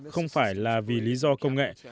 không phải là vì lý do công nghệ